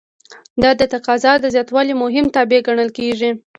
دا د تقاضا د زیاتوالي هم تابع ګڼل کیږي.